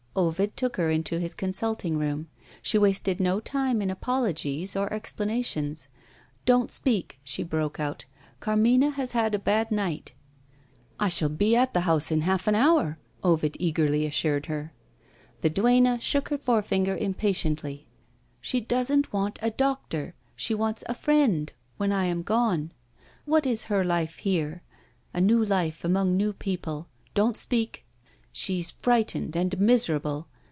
Ovid took her into his consulting room. She wasted no time in apologies or explanations. "Don't speak!" she broke out. "Carmina has had a bad night." "I shall be at the house in half an hour!" Ovid eagerly assured her. The duenna shook her forefinger impatiently. "She doesn't want a doctor. She wants a friend, when I am gone. What is her life here? A new life, among new people. Don't speak! She's frightened and miserable.